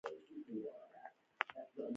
د کار بازار د مهارتونو ارزښت ټاکي.